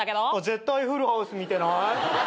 絶対『フルハウス』見てない？